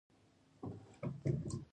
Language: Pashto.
د زخم لپاره د څه شي ملهم جوړ کړم؟